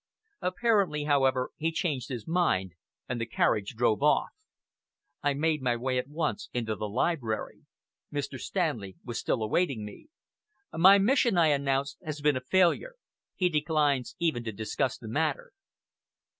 Apparently, however, he changed his mind, and the carriage drove off. I made my way at once into the library. Mr. Stanley was still awaiting me. "My mission," I announced, "has been a failure. He declines even to discuss the matter."